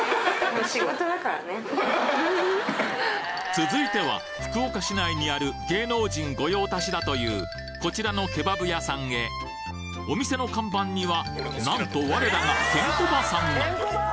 続いては福岡市内にある芸能人御用達だというこちらのケバブ屋さんへお店の看板にはなんと我らがケンコバさんが！